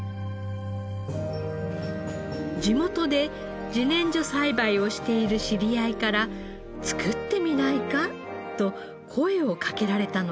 地元で自然薯栽培をしている知り合いから「作ってみないか？」と声をかけられたのです。